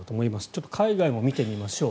ちょっと海外も見てみましょう。